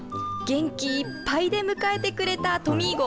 元気いっぱいで迎えてくれたトミー号。